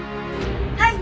はい。